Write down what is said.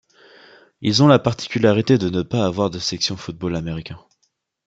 Ils ont la particularité de ne pas avoir de section football américain.